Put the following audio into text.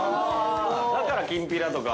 ◆だから、きんぴらとか。